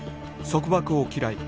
束縛を嫌い